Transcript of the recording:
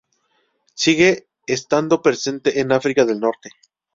Sigue estando presente en África del Norte.